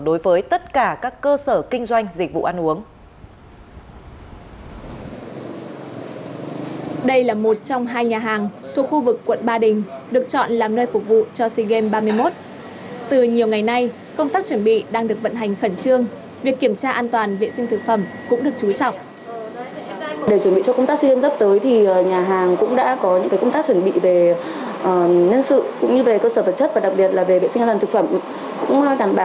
đối với tất cả các cơ quan chức năng tỉnh bắc giang